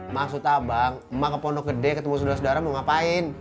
maksud abang emak ke pondok gede ketemu sodara sodara mau ngapain